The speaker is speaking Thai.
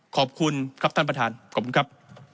ขอบคุณครับท่านประธานขอบคุณครับ